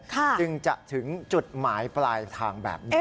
จึงจะถึงจุดหมายปลายทางแบบนี้